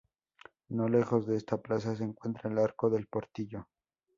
No lejos de esta plaza se encuentra el arco del Portillo.